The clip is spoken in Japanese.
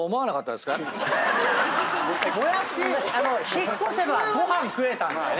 引っ越せばご飯食えたんだよね。